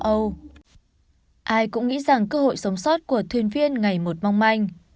ai cũng nghĩ rằng cơ hội sống sót của thuyền viên ngày một mong manh